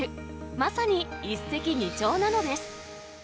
まさに一石二鳥なのです。